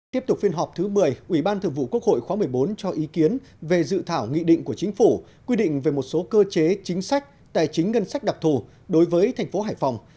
tiếp tục phiên họp thứ một mươi ủy ban thượng vụ quốc hội khóa một mươi bốn cho ý kiến về dự thảo nghị định của chính phủ quy định về một số cơ chế chính sách tài chính ngân sách đặc thù đối với thành phố hải phòng